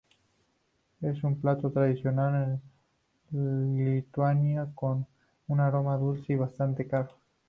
Es un plato tradicional en Lituania, con un aroma dulce y bastante caro.